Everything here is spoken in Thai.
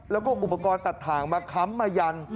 แล้วก็อุปกรณ์ตัดถ่างมาค้ำมายัน